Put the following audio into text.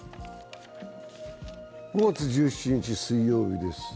５月１７日、水曜日です。